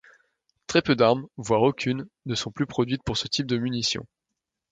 Très peu d'armes, voire aucune, ne sont plus produites pour ce type de munition.